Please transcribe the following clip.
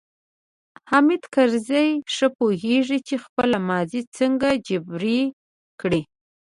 حامد کرزی ښه پوهیږي چې خپله ماضي څنګه جبیره کړي.